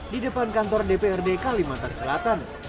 di depan kantor dprd kalimantan selatan